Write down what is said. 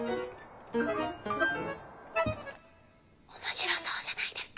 おもしろそうじゃないですか？